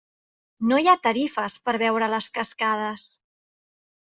No hi ha tarifes per veure les cascades.